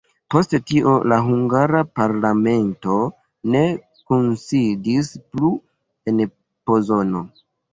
Post tio la hungara parlamento ne kunsidis plu en Pozono.